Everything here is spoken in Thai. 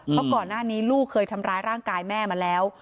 เพราะก่อนหน้านี้ลูกเคยทำร้ายร่างกายแม่มาแล้ว